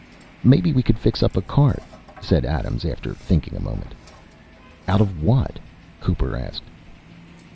"Maybe we could fix up a cart," said Adams, after thinking a moment. "Out of what?" Cooper asked.